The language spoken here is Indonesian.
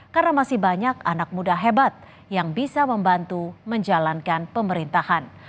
karena masih banyak anak muda hebat yang bisa membantu menjalankan pemerintahan